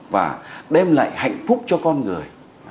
và đem lại hạnh phúc cho con người